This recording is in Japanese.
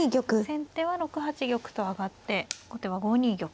先手は６八玉と上がって後手は５二玉。